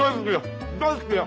大好きや。